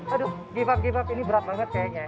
aduh give up give up ini berat banget kayaknya